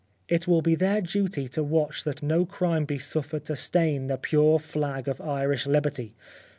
It will be their duty to watch that no crime be suffered to stain the pure flag of Irish liberty.